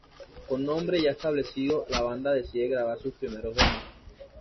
Con nombre ya establecido, la banda decide grabar sus primeros demos.